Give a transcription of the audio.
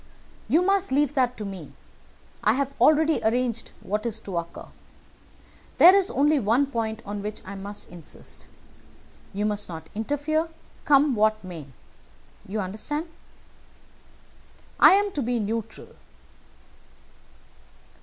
"You must leave that to me. I have already arranged what is to occur. There is only one point on which I must insist. You must not interfere, come what may. You understand?" "I am to be neutral?"